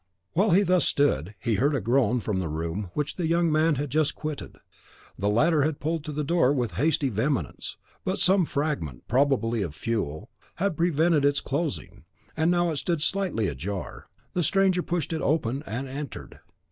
While he thus stood, he heard a groan from the room which the young man had just quitted; the latter had pulled to the door with hasty vehemence, but some fragment, probably of fuel, had prevented its closing, and it now stood slightly ajar; the stranger pushed it open and entered.